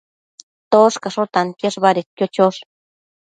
Toshcasho tantiash badedquio chosh